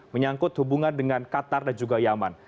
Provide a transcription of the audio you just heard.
menyangkut hubungan dengan qatar dan juga yaman